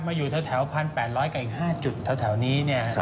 อยู่แถว๑๘๐๐กับอีก๕จุดแถวนี้เนี่ย